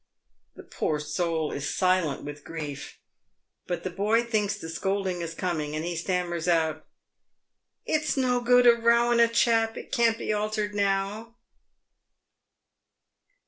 The poor soul is silent with grief, but the boy thinks the scolding is coming, and he stammers out, " It's no good a rowing a chap, it can't be altered now."